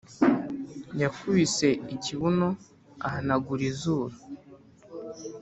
yakubise ikibuno ahanagura izuru.